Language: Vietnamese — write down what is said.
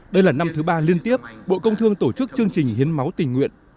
đây là năm thứ ba liên tiếp bộ công thương tổ chức chương trình hiến máu tình nguyện